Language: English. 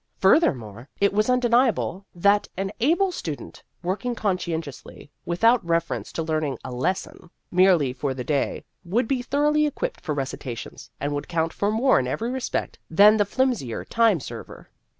Furthermore, it was undeniable that an able student, working conscientiously, without reference to learning a "lesson" merely for the day, would be thoroughly equipped for recitations, and would count for more in every respect than the flimsier time server.